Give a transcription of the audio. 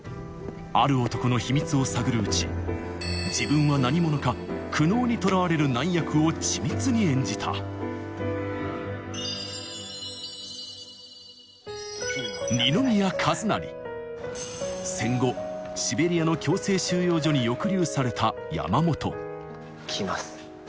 ある男の秘密を探るうち難役を緻密に演じた戦後シベリアの強制収容所に抑留された山本来ます